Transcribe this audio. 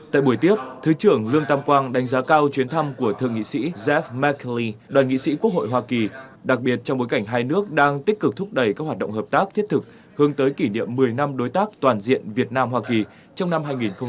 tại buổi tiếp thứ trưởng lương tam quang đánh giá cao chuyến thăm của thượng nghị sĩ jaff mark lee đoàn nghị sĩ quốc hội hoa kỳ đặc biệt trong bối cảnh hai nước đang tích cực thúc đẩy các hoạt động hợp tác thiết thực hướng tới kỷ niệm một mươi năm đối tác toàn diện việt nam hoa kỳ trong năm hai nghìn hai mươi